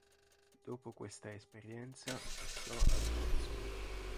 Dopo questa esperienza, passò al Portsmouth.